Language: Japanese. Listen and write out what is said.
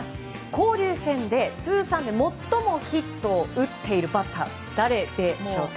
交流戦で通算で最もヒットを打っているバッターは誰でしょうか？